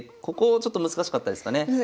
ここちょっと難しかったですかね。